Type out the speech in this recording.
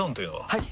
はい！